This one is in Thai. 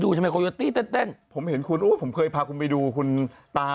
ทำไมโคโยตี้เต้นผมเห็นคุณโอ้ยผมเคยพาคุณไปดูคุณตา